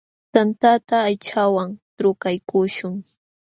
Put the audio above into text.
Tantata aychawan trukaykuśhun.